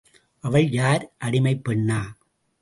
அவள் யார் அடிமைப் பெண்ணா?